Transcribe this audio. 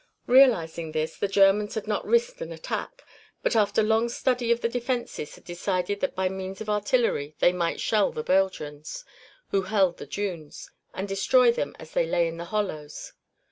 Realizing this, the Germans had not risked an attack, but after long study of the defences had decided that by means of artillery they might shell the Belgians, who held the dunes, and destroy them as they lay in the hollows.